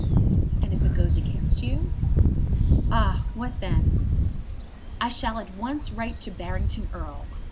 "And if it goes against you?" "Ah, what then?" "I shall at once write to Barrington Erle.